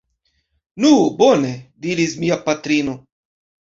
Nu bone! diris mia patrino.